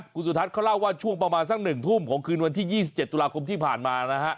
คุณสุทัศน์เขาเล่าว่าช่วงประมาณสัก๑ทุ่มของคืนวันที่๒๗ตุลาคมที่ผ่านมานะฮะ